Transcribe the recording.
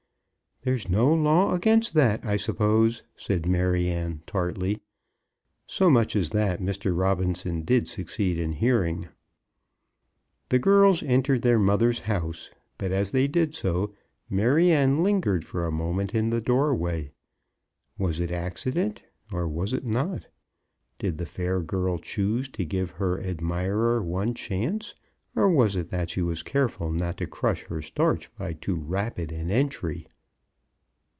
"There's no law against that, I suppose," said Maryanne, tartly. So much as that Mr. Robinson did succeed in hearing. The girls entered their mother's house; but as they did so, Maryanne lingered for a moment in the doorway. Was it accident, or was it not? Did the fair girl choose to give her admirer one chance, or was it that she was careful not to crush her starch by too rapid an entry?